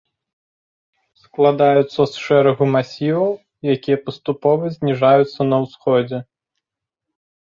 Складаюцца з шэрагу масіваў, якія паступова зніжаюцца на ўсходзе.